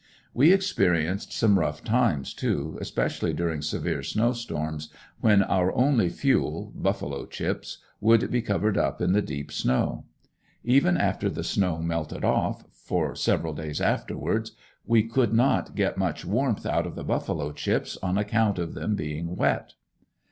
We experienced some tough times too, especially during severe snow storms when our only fuel, "buffalo chips," would be covered up in the deep snow. Even after the snow melted off, for several days afterwards, we couldn't get much warmth out of the buffalo chips, on account of them being wet.